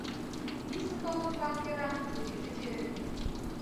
Писын толмыжлан кӧра чурийже чеверген.